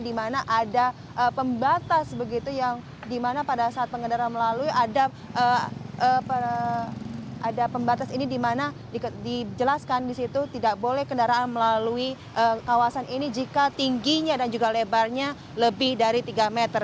di mana ada pembatas begitu yang dimana pada saat pengendara melalui ada pembatas ini dimana dijelaskan di situ tidak boleh kendaraan melalui kawasan ini jika tingginya dan juga lebarnya lebih dari tiga meter